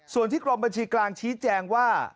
ส่วนที่กรมบัญชีกลางชี้แจงว่า